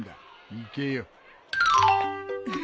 行けよ。